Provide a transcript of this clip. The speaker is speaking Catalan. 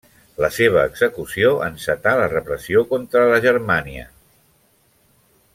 La seva execució encetà la repressió contra la Germania.